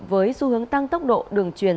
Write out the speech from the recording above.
với xu hướng tăng tốc độ đường truyền